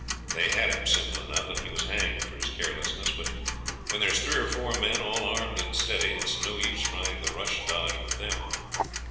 They had him, simple enough, and he was hanged for his carelessness; but when there's three or four men, all armed and steady, it's no use trying the rush dodge with them.